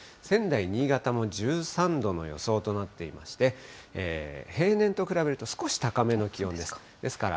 仙台、新潟も１３度の予想となっていまして、平年と比べると少し高めの気温です。